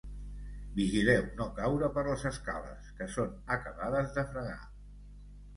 Vigileu no caure per les escales, que són acabades de fregar.